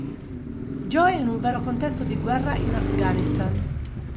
Joe in un vero contesto di guerra in Afghanistan.